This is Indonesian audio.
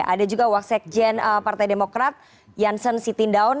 ada juga waksek jendera partai demokrat jansen sitindaun